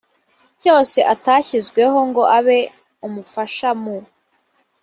cyose atashyizweho ngo abe umufasha mu